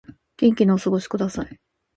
元気にお過ごしください